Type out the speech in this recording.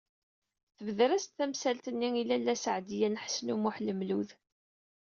Tebder-as-d tamsalt-nni i Lalla Seɛdiya n Ḥsen u Muḥ Lmlud.